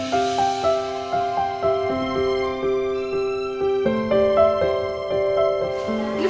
tidak ada senyum